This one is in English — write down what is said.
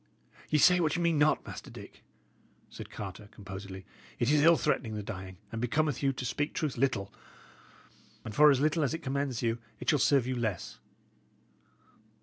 "Ye say what ye mean not, Master Dick," said Carter, composedly. "It is ill threatening the dying, and becometh you (to speak truth) little. And for as little as it commends you, it shall serve you less.